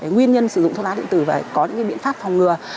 nguyên nhân sử dụng thuốc lá điện tử và có những biện pháp phòng ngừa